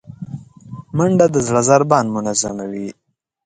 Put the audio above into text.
منډه د زړه ضربان منظموي